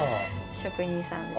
職人さんですね。